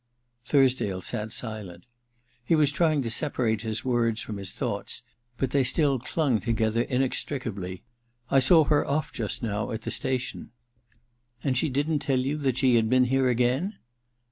* Thursdale sat silent. He was trying to separate his words from his thoughts, but they still clung together inextricably. 'I saw her off just now at the station.' * And she didn't tell you that she had been here again